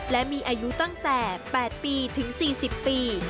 และมีอายุตั้งแต่๘ปีถึง๔๐ปี